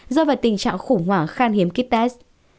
do vào tình trạng khủng hoảng khan hiếm kit test